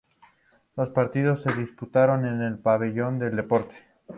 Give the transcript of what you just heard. Los partidos se disputaron en el Pabellón del Deporte.